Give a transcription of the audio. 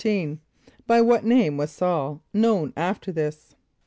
= By what name was S[a:]ul known after this?